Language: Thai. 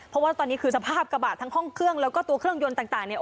เพราะว่าตอนนี้คือสภาพกระบะทั้งห้องเครื่องแล้วก็ตัวเครื่องยนต์ต่างเนี่ย